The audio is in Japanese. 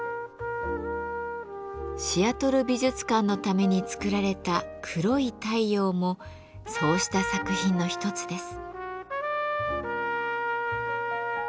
シアトル美術館のために作られた「黒い太陽」もそうした作品の一つです。